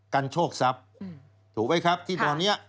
โชคทรัพย์ถูกไหมครับที่ตอนนี้